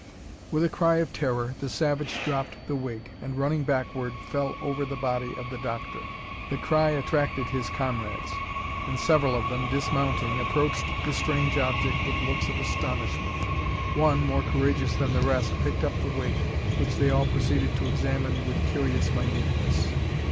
With a cry of terror, the savage dropped the wig, and, running backward, fell over the body of the doctor. The cry attracted his, comrades; and several of them, dismounting, approached the strange object with looks of astonishment. One, more courageous than the rest, picked up the wig, which they all proceeded to examine with curious minuteness.